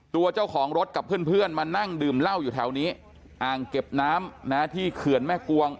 ตัวเจ้าของรถกับเพื่อนมานั่งดื่มเหล้าอยู่แถวนี้อ่างเก็บน้ำนะที่เขื่อนแม่กวง